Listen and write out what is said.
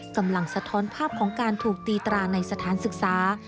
กำลังสะท้อนภาพของการถูกตีตราในสถานศึกษา